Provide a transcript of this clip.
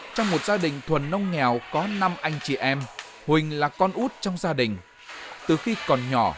trong một gia đình thuần nông nghèo có năm anh chị em huỳnh là con út trong gia đình